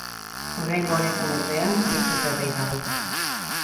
Oraingo honetan, ordea, beste zerbait dago.